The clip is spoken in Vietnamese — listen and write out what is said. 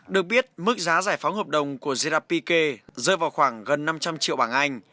được biết mức giá giải phóng hợp đồng của zerapike rơi vào khoảng gần năm triệu đồng